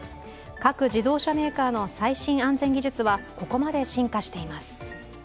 各自動車メーカーの最新安全技術は、ここまで進化しています。